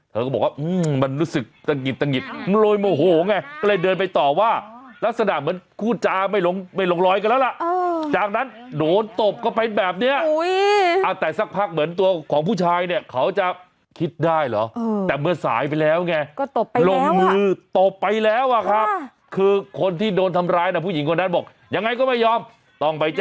เธอก็บอกว่าอืมมรู้สึกตะหงิดมันโดยโมโหไง